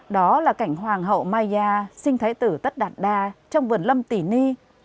đó là cảnh hoàng hậu maya sinh thái tử tất đạt đa trong vườn lâm tỉ ni